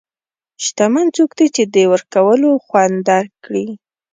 شتمن څوک دی چې د ورکولو خوند درک کړي.